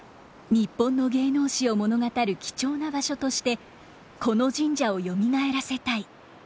日本の芸能史を物語る貴重な場所としてこの神社をよみがえらせたい。